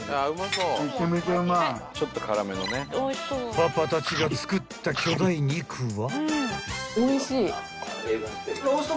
［パパたちが作った巨大肉は］